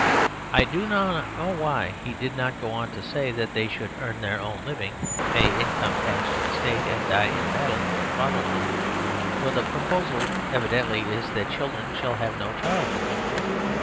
I do not know why he did not go on to say that they should earn their own living, pay income tax to the state, and die in battle for the fatherland ; for the proposal evidently is that children shall have no childhood.